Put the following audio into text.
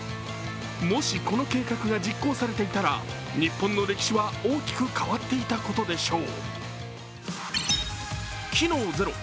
もし、この計画が実行されていたら日本の歴史は大きく変わっていたことでしょう。